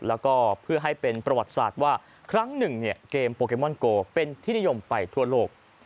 แล้วก็เพื่อให้เป็นประวัติศาสตร์ว่าครั้งหนึ่งเกมโปเกมอนโกเป็นที่นิยมไปทั่วโลก